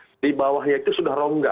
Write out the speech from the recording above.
nah di bawahnya itu sudah rongga